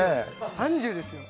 ３０ですよ。